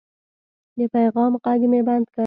د پیغام غږ مې بند کړ.